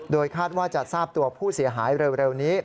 คาดว่าจะทราบตัวผู้เสียหายเร็วนี้